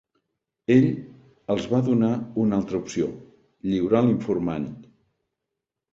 Ell els va donar una altra opció: lliurar l'informant.